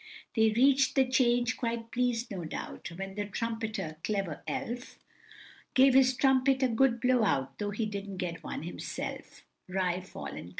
They reach'd the 'Change, quite pleas'd, no doubt, When the trumpeter, clever elf! Gave his trumpet a good blow out, Though he didn't get one himself. Ri fol, &c.